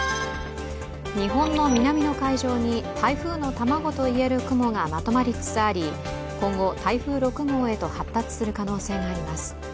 日本の南の海上に台風の卵といえる雲がまとまりつつあり、今後台風６号へと発達する可能性があります。